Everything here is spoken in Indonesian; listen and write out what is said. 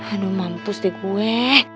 aduh mampus deh gue